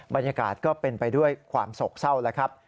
บรรยากาศก็เป็นไปด้วยความโศกเศร้าแล้วครับ